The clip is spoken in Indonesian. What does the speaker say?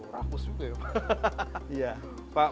ragus juga ya pak